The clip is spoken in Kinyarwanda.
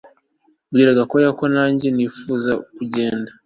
Bwira Gakwaya ko nanjye nifuza kugenda